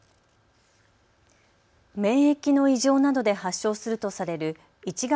免役の異常などで発症するとされる